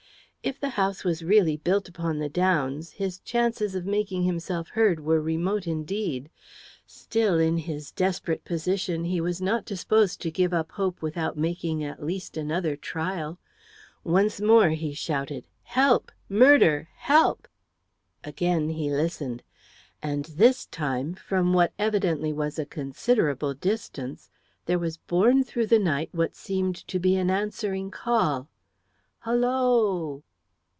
If the house was really built upon the Downs, his chances of making himself heard were remote indeed. Still, in his desperate position, he was not disposed to give up hope without making at least another trial. Once more he shouted "Help! Murder! Help!" Again he listened. And this time, from what evidently was a considerable distance, there was borne through the night what seemed to be an answering call "Hollo!"